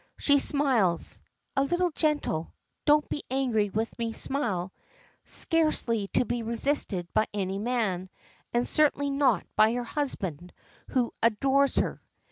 She smiles (a little, gentle, "don't be angry with me" smile, scarcely to be resisted by any man, and certainly not by her husband, who adores her).